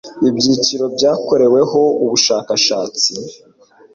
ibyiciro byakoreweho ubushakashatsi